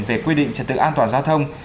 về quy định trật tự an toàn giao thông